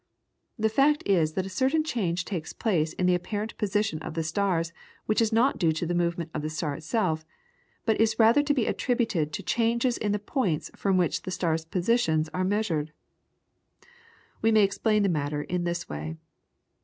The fact is that a certain change takes place in the apparent position of the stars which is not due to the movement of the star itself, but is rather to be attributed to changes in the points from which the star's positions are measured. We may explain the matter in this way.